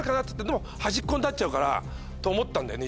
でも端っこになっちゃうからと思ったんだよね